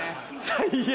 最悪！